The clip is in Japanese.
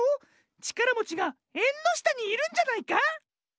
ちからもちがえんのしたにいるんじゃないか？